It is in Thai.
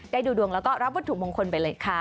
ดูดวงแล้วก็รับวัตถุมงคลไปเลยค่ะ